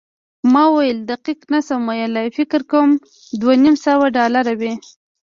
ما وویل، دقیق نه شم ویلای، فکر کوم دوه نیم سوه ډالره وي.